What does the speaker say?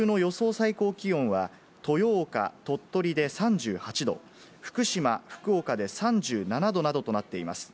最高気温は豊岡、鳥取で３８度、福島・福岡で３７度などとなっています。